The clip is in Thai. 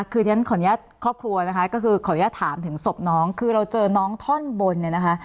คือที่ฉันขออนุญาตครอบครัวนะคะก็คือขออนุญาตถามถึงศพน้องคือเราเจอน้องท่อนบนเนี่ยนะคะ